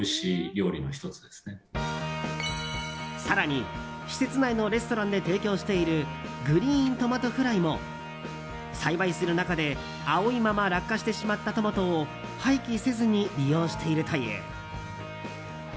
更に、施設内のレストランで提供しているグリーントマトフライも栽培する中で青いまま落下してしまったトマトを廃棄せずに利用しているという。